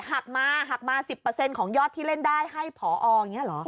หักมาหักมาสิบเปอร์เซ็นต์ของยอดที่เล่นได้ให้พอออเนี้ยเหรอ